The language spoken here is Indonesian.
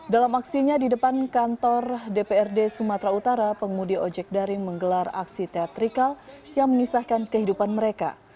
dalam aksinya di depan kantor dprd sumatera utara pengemudi ojek daring menggelar aksi teatrikal yang mengisahkan kehidupan mereka